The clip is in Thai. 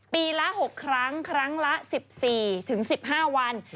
ปีละ๖ครั้งครั้งละ๑๔๑๕วัน